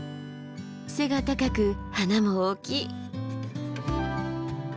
背が高く花も大きい。